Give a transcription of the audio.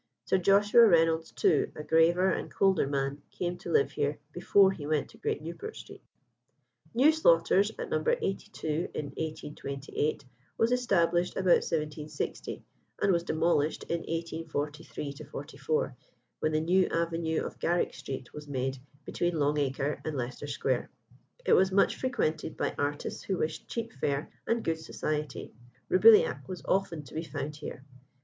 Sir Joshua Reynolds, too, a graver and colder man, came to live here before he went to Great Newport Street. New Slaughter's, at No. 82 in 1828, was established about 1760, and was demolished in 1843 44, when the new avenue of Garrick Street was made between Long Acre and Leicester Square. It was much frequented by artists who wished cheap fare and good society. Roubilliac was often to be found here.